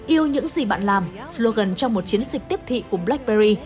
yêu những gì bạn làm slogan trong một chiến dịch tiếp thị của blackberry